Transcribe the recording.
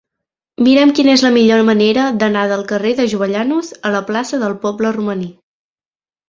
Mira'm quina és la millor manera d'anar del carrer de Jovellanos a la plaça del Poble Romaní.